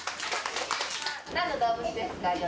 なんの動物ですか？